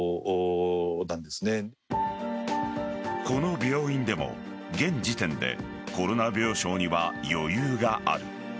この病院でも現時点でコロナ病床には余裕がある。